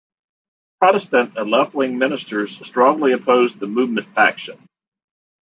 Protestant and left-wing ministers strongly opposed the Movement faction.